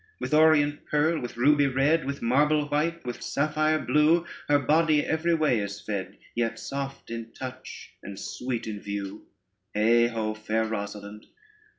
With orient pearl, with ruby red, With marble white, with sapphire blue, Her body every way is fed, Yet soft in touch, and sweet in view: Heigh ho, fair Rosalynde.